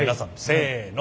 せの。